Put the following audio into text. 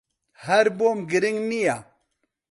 ھەر بۆم گرنگ نییە.